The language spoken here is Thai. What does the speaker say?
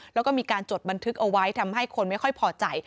แล้วก็มีการจดบันทึกเอาไว้ทำให้คนไม่ค่อยพอใจ